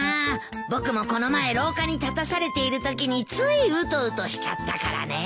僕もこの前廊下に立たされているときについうとうとしちゃったからね。